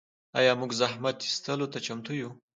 آیا موږ زحمت ایستلو ته چمتو یو؟